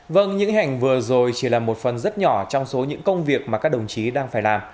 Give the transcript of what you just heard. vâng những hành vừa rồi chỉ là một phần rất nhỏ trong số những công việc mà các đồng chí đang phải làm